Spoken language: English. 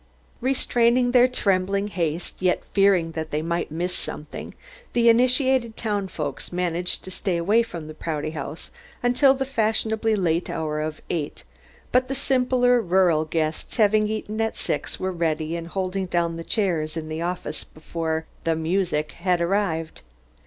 Restraining their trembling haste, yet fearing that they might miss something, the initiated townfolks managed to stay away from the Prouty House until the fashionably late hour of eight, but the simpler rural guests having eaten at six were ready and holding down the chairs in the office before "the music" had arrived.